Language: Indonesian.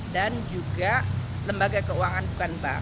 dan juga lembaga keuangan bukan bank